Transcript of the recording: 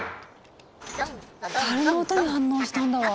たるの音に反応したんだわ。